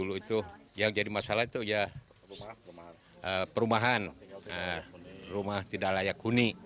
dulu itu yang jadi masalah itu ya perumahan rumah tidak layak huni